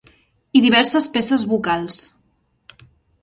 I diverses peces vocals.